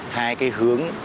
hai cái hướng